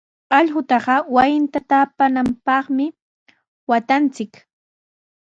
Allqutaqa wasita taapananpaqmi waatanchik.